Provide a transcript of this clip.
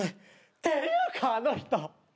ってゆうかあの人。